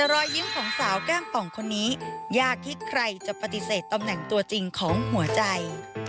รอยยิ้มของสาวแก้มป่องคนนี้ยากที่ใครจะปฏิเสธตำแหน่งตัวจริงของหัวใจ